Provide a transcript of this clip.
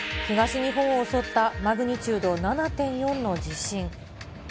東日本を襲ったマグニチュード７．４の地震。